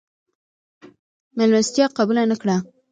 مېلمستیا قبوله نه کړه.